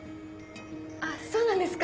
あっそうなんですか。